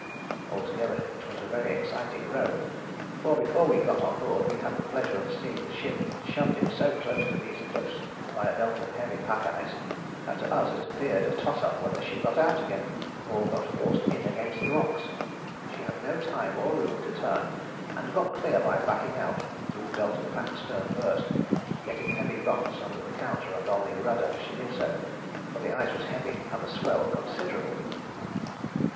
Altogether it was a very exciting row, for before we got on board we had the pleasure of seeing the ship shoved in so close to these cliffs by a belt of heavy pack ice that to us it appeared a toss up whether she got out again or got forced in against the rocks. She had no time or room to turn, and got clear by backing out through the belt of pack stern first, getting heavy bumps under the counter and on the rudder as she did so, for the ice was heavy and the swell considerable."